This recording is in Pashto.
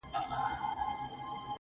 دا کيږي چي زړه له ياده وباسم .